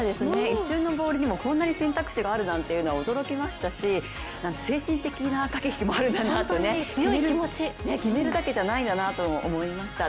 一瞬のボールにもこんなに選択肢があるなんていうのは驚きましたし精神的な駆け引きもあるんだなって、決めるだけじゃないんだなとも思いました。